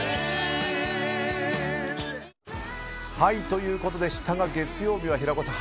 ということでしたが月曜日は平子さん